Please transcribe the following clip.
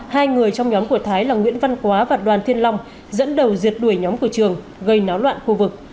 hai người trong nhóm của thái là nguyễn văn quá và đoàn thiên long dẫn đầu diệt đuổi nhóm của trường gây náo loạn khu vực